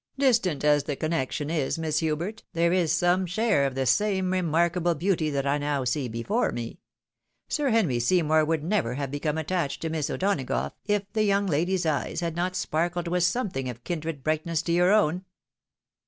" Distant as the connection is. Miss Hubert, there is some share of the same remarkable beauty that I now see before me. Sir Henry Seymour would never have become attached to Miss " O'Donagough, if the young lady's eyes had not sparkled with something of kindred brightness to your own."